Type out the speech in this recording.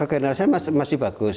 ke generasinya masih bagus